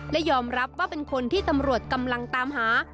และยอมรับว่าเป็นคนที่ตำรวจกำลังตามหา